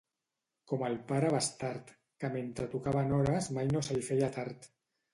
Com el pare Bastard, que mentre tocaven hores mai no se li feia tard.